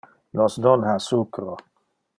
Nos non ha sucro.